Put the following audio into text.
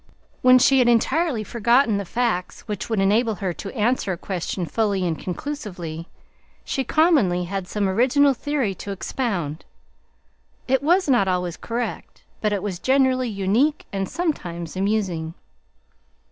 When she had entirely forgotten the facts which would enable her to answer a question fully and conclusively, she commonly had some original theory to expound; it was not always correct, but it was generally unique and sometimes amusing.